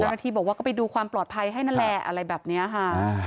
ที่บอกว่าก็ไปดูความปลอดภัยให้นั่นแหละอะไรแบบนี้ค่ะ